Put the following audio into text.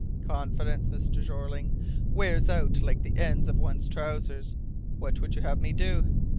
"Confidence, Mr. Jeorling, wears out like the ends of one's trousers. What would you have me do?